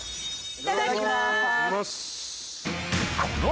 いただきます。